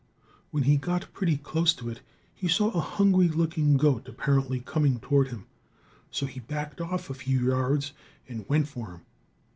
When he got pretty close to it, he saw a hungry looking goat apparently coming toward him, so he backed off a few yards and went for him.